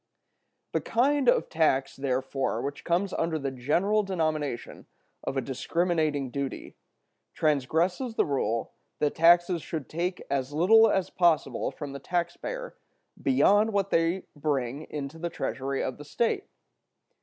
The kind of tax, therefore, which comes under the general denomination of a discriminating duty, transgresses the rule that taxes should take as little as possible from the taxpayer beyond what they bring into the treasury of the state.